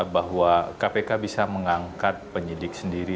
bahwa kpk bisa mengangkat penyidik sendiri